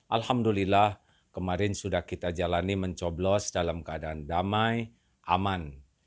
alhamdulillah kemarin sudah kita jalani mencoblos dalam keadaan damai aman